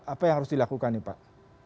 apa yang harus dilakukan nih pak